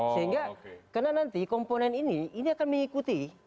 sehingga karena nanti komponen ini ini akan mengikuti